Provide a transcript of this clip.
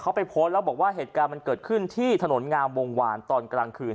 เขาไปโพสต์แล้วบอกว่าเหตุการณ์มันเกิดขึ้นที่ถนนงามวงวานตอนกลางคืน